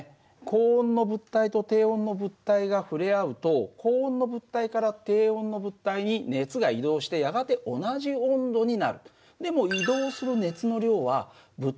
高温の物体と低温の物体が触れ合うと高温の物体から低音の物体に熱が移動してやがて同じ温度になる。